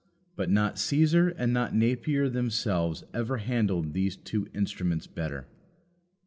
But not Caesar and not Napier themselves ever handled those two instruments better.